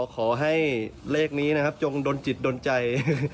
ขอให้เลขนี้ชงดนจิตโดนใจ